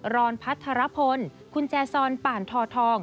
รอนพัฒนภนธ์คุณแจซอนป่านทอทอง